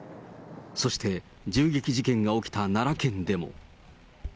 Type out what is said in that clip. そして銃撃事件が起きた奈良県でも。